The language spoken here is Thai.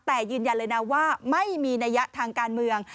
แต่ยืนยันเลยนะว่าไม่มีนัยยะทางการเมือง